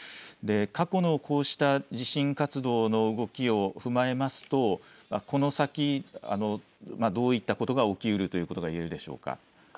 過去のこうした地震活動の動きを踏まえますとこの先、どういったことが起きうるということが言えるでしょうか。